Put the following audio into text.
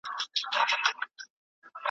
په داسې وخت کې چې